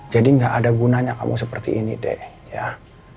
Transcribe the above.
jadi gak ada gunanya kamu seperti ini deh